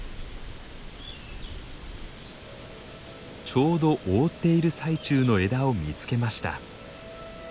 ちょうど覆っている最中の枝を見つけました。